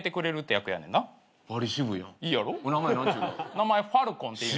名前ファルコンっていう。